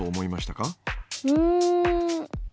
うん。